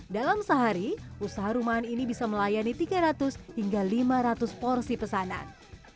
dalam sehari usaha rumahan ini bisa melayani tiga ratus hingga lima ratus porsi pesanan